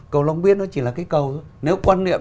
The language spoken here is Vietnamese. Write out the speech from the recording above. cầu long biên nó chỉ là cái cầu nếu quan niệm